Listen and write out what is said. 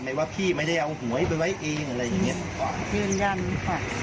ว่าพี่ไม่ได้เอาหวยไปไว้เองอะไรอย่างเงี้ยยืนยันค่ะ